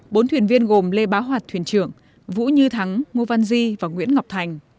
bốn thuyền viên gồm lê bá hoạt thuyền trưởng vũ như thắng ngô văn di và nguyễn ngọc thành